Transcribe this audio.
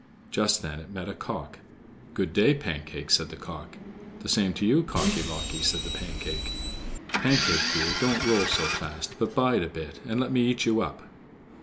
Just then it met a cock. "Good day, Pancake," said the cock. "The same to you, Cocky locky," said the Pancake. "Pancake, dear, don't roll so fast, but bide a bit and let me eat you up."